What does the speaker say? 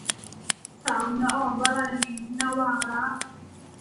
สาวเนื้ออ่อน - วลัย นวาระ